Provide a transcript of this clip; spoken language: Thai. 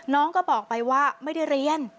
น้องก็บอกไปว่าไม่ได้เรียน